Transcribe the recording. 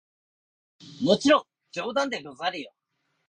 もちろん冗談でござるよ！